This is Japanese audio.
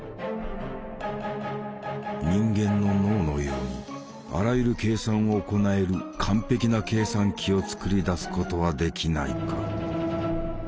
人間の脳のようにあらゆる計算を行える完璧な計算機を作りだすことはできないか。